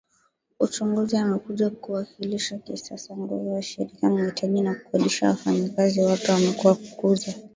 Uchunguzi amekuja kuwakilisha kisasa nguvu ya shirika Mahitaji ya kukodisha wafanyakazi wapya wamekuwa kukuzwa